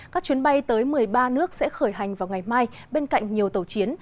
các chuyến bay tới một mươi ba nước sẽ khởi hành vào ngày mai bên cạnh nhiều tàu chiến